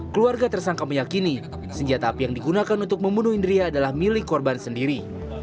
keluarga tersangka meyakini senjata api yang digunakan untuk membunuh indria adalah milik korban sendiri